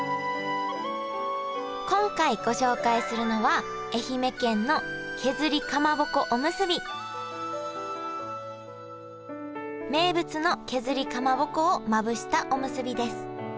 今回ご紹介するのは名物の削りかまぼこをまぶしたおむすびです。